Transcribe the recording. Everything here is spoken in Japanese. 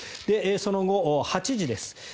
その後、８時です。